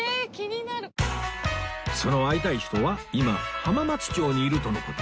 その会いたい人は今浜松町にいるとの事